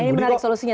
ini menarik solusinya